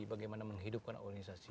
bagaimana menghidupkan organisasi ini